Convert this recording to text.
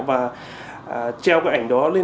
và treo cái ảnh đó lên